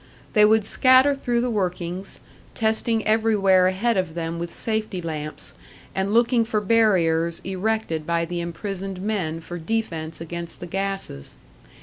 They would scatter through the workings, testing everywhere ahead of them with safety lamps, and looking for barriers erected by the imprisoned men for defence against the gases.